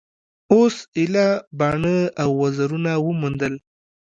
اوس ایله باڼه او وزرونه وموندل.